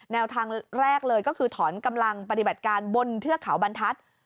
แนวทางแรกเลยก็คือถอนกำลังปฏิบัติการบนเทือกเขาบรรทัศน์